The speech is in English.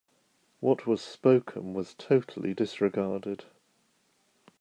What was spoken was totally disregarded.